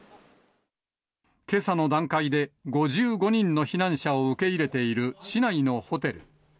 けさの段階で、５５人の避難者を受け入れている市内のホテル。